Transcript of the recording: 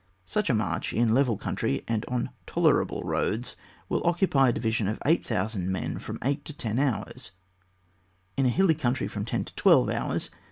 Such a march in a level country, and on tolerable roads will occupy a division of 8,000 men from eight to ten hours; in a hilly country from ten to twelve hours.